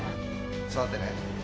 触ってね。